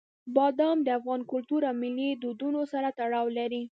بادام د افغان کلتور او ملي دودونو سره تړاو لري.